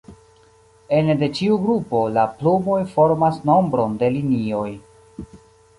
Ene de ĉiu grupo, la plumoj formas nombron de linioj.